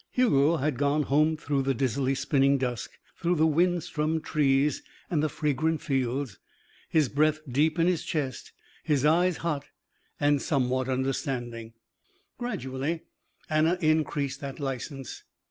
Hugo had gone home through the dizzily spinning dusk, through the wind strummed trees and the fragrant fields, his breath deep in his chest, his eyes hot and somewhat understanding. Gradually Anna increased that license.